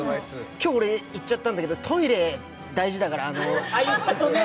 今日、俺、行っちゃったんだけど、トイレ、大事だから。